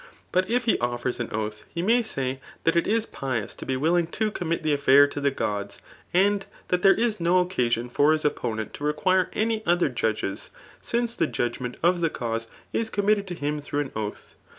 But if he offers an oathy he may say that it is pious to be willing to conunit the afiair to the gods ; and that there is no occaskm [foi his opponent] to require any other judges ; since the judg« ment of the cause is committed to him through an oath.